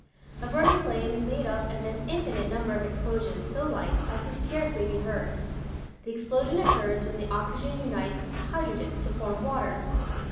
A burning flame is made up of an infinite number of explosions so light as to scarcely be heard The explosion occurs when the oxygen unites with the hydrogen to form water.